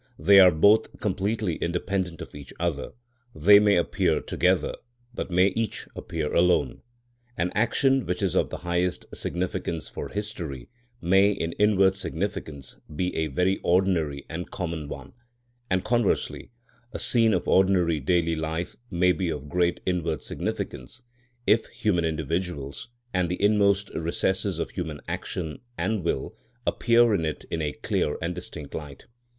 They are both completely independent of each other; they may appear together, but may each appear alone. An action which is of the highest significance for history may in inward significance be a very ordinary and common one; and conversely, a scene of ordinary daily life may be of great inward significance, if human individuals, and the inmost recesses of human action and will, appear in it in a clear and distinct light.